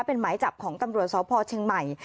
เป็นหมายจับของตำรวจสพเชียงใหม่